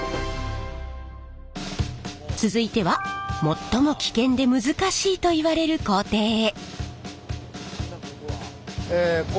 続いては最も危険で難しいといわれる工程へ！